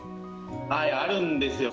はいあるんですよ。